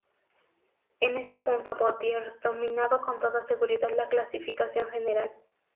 En este punto Pottier dominaba con toda seguridad la clasificación general.